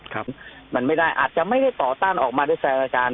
ครับมันไม่ได้อาจจะไม่ได้ต่อต้านออกมาด้วยแสงอาจารย์